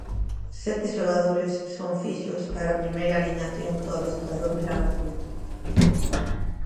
Sete xogadores son fixos para a primeira aliñación do adestrador vilagarcián.